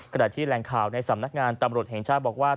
ขณะที่แหล่งข่าวในสำนักงานตำรวจแห่งชาติบอกว่า